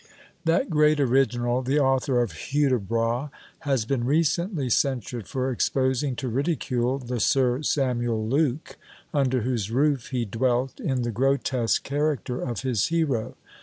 That great Original, the author of HUDIBRAS, has been recently censured for exposing to ridicule the Sir Samuel Luke, under whose roof he dwelt, in the grotesque character of his hero.